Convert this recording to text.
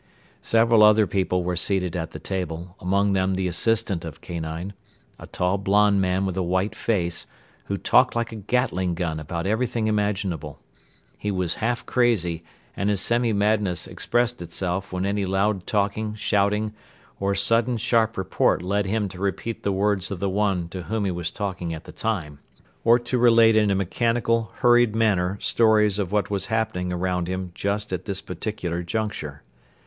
Several other people were seated at the table, among them the assistant of Kanine, a tall blonde man with a white face, who talked like a Gatling gun about everything imaginable. He was half crazy and his semi madness expressed itself when any loud talking, shouting or sudden sharp report led him to repeat the words of the one to whom he was talking at the time or to relate in a mechanical, hurried manner stories of what was happening around him just at this particular juncture.